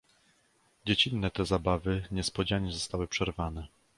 "Dziecinne te zabawy niespodzianie zostały przerwane."